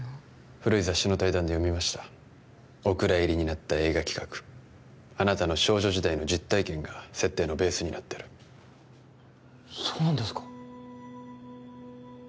古い雑誌の対談で読みましたお蔵入りになった映画企画あなたの少女時代の実体験が設定のベースになってるそうなんですか？